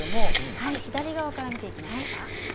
左側から見ていきましょう。